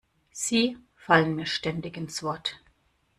Sie fallen mir ständig ins Wort.